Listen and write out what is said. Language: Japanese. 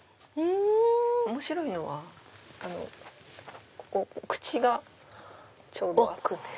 面白いのが口がちょうど開くんです。